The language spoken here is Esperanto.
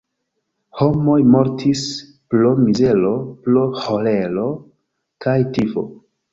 Homoj mortis pro mizero, pro ĥolero kaj tifo.